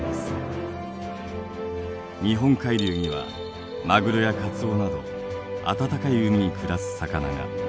日本海流にはマグロやカツオなど暖かい海に暮らす魚が。